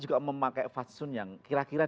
untuk memakai faksun yang kira kira